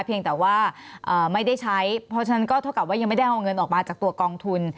เพียงแต่ว่าไม่ได้ใช้เพราะฉะนั้นก็เท่ากับว่ายังไม่ได้เอาเงินออกมาจากตัวกองทุน